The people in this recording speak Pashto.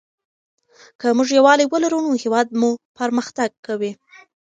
که موږ یووالي ولرو نو هېواد مو پرمختګ کوي.